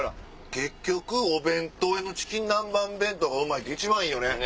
結局お弁当屋のチキン南蛮弁当がうまいって一番いいよね。